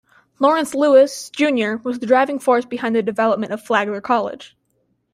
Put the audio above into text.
Lawrence Lewis, Junior was the driving force behind the development of Flagler College.